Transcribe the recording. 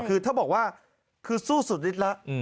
คือถ้าบอกว่าคือสู้สุดนิดละ